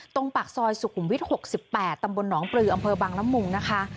ตรงปากซอยสุกุมวิตศก๘ตำบลหนองปลืออำเภอบังละมูงน่ะค่ะ